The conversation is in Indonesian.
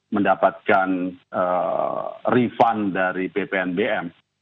mendapatkan refund dari ppnbm